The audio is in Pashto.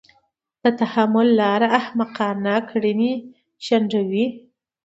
د تحمل لاره احمقانه کړنې شنډوي.